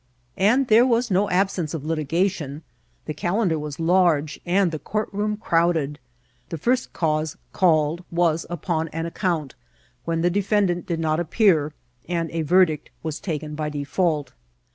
And there was no absence of litigation ; the calendar was large, and the courtroom crowded. The first cause called was upon an account, when the defendant did not appear, and a verdict was taken by default.